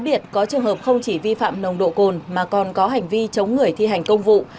đặc biệt có trường hợp không chỉ vi phạm nồng độ cồn mà còn có hành vi chống người thi hành công vụ